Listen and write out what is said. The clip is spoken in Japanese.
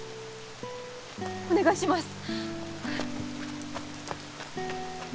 お願いします！